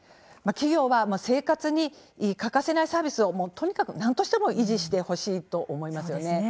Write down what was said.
企業は生活に欠かせないサービスをとにかく、なんとしても維持してほしいと思います。